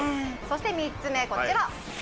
そして３つ目こちら。